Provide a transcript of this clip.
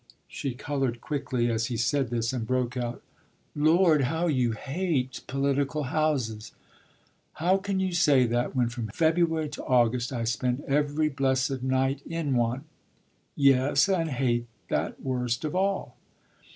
She coloured quickly as he said this, and broke out: "Lord, how you hate political houses!" "How can you say that when from February to August I spend every blessed night in one?" "Yes, and hate that worst of all."